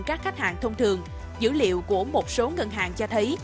các khách hàng thông thường dữ liệu của một số ngân hàng cho thấy